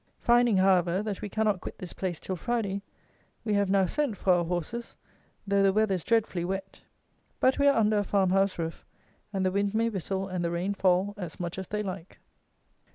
Finding, however, that we cannot quit this place till Friday, we have now sent for our horses, though the weather is dreadfully wet. But we are under a farmhouse roof, and the wind may whistle and the rain fall as much as they like.